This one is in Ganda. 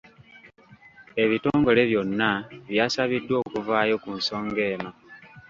Ebitongole byonna byasabiddwa okuvaayo ku nsonga eno.